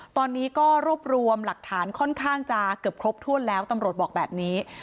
ตอนนี้ก็รวบรวมหลักฐานค่อนข้างจะเกือบครบถ้วนแล้วตำรวจบอกแบบนี้